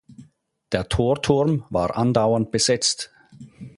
Der Torturm war andauernd besetzt.